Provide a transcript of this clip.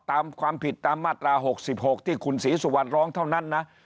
ตามความผิดตามมาตรา๖๖ที่คุณศรีสุวรรณร้องเท่านั้นนะ